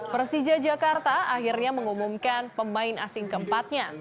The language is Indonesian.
persija jakarta akhirnya mengumumkan pemain asing keempatnya